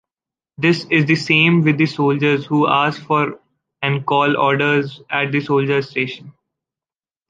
This is the same with the soldiers who ask for and call orders at the soldiers’ station.